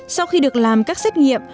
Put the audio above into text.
sau khi được làm các xét nghiệm